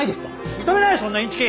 認めないそんなインチキ！